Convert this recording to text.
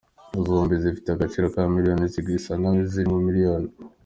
zombi zifite agaciro ka miliyoni zisaga zirimo miliyoni.